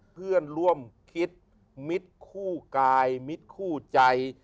เพื่อนร่วมคิดมิตรคู่กายมิตรคู่ใจ